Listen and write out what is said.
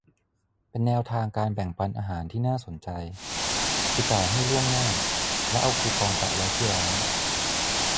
เป็นแนวทางการแบ่งปันอาหารที่น่าสนใจ คือ จ่ายให้ล่วงหน้า แล้วเอาคูปองแปะไว้ที่ร้าน